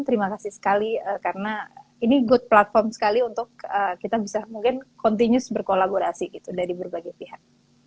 terima kasih sekali karena ini good platform sekali untuk kita bisa mungkin continuous berkolaborasi gitu dari berbagai pihak